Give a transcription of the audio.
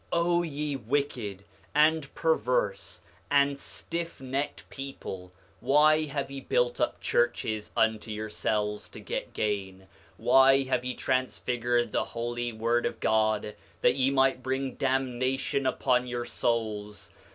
8:33 O ye wicked and perverse and stiffnecked people, why have ye built up churches unto yourselves to get gain? Why have ye transfigured the holy word of God, that ye might bring damnation upon your souls?